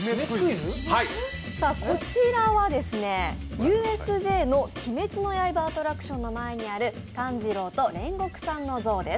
こちらはＵＳＪの鬼滅の刃アトラクションにある炭治郎と煉獄さんの像です。